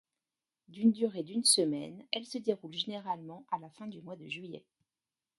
D'une durée d'une semaine, elle se déroule généralement à la fin mois de juillet.